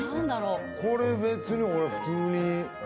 これ別に俺普通にどう？